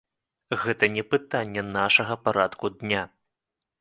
Гэта не пытанне нашага парадку дня.